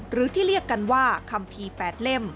หรือที่เรียกกันว่าคัมภีร์๘เล่ม